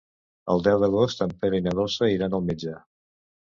El deu d'agost en Pere i na Dolça iran al metge.